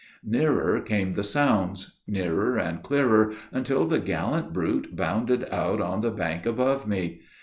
Nearer came the sounds; nearer and clearer, until the gallant brute bounded out on the bank above me.